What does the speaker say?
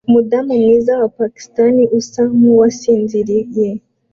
Umudamu mwiza wa pakistani usa nkuwasinziriye